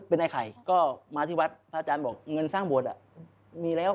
เพราะหมายถึงว่าควรมาทำบุญสร้างโบสถ์ตอนนี้พอแล้ว